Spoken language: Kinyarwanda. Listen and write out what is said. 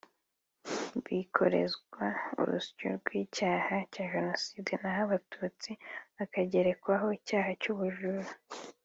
zikorezwa urusyo rw’icyaha cya jenoside naho abatutsi bakagerekwaho icyaha cy’ubujura